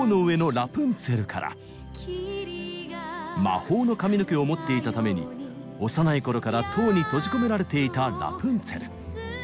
魔法の髪の毛を持っていたために幼い頃から塔に閉じ込められていたラプンツェル。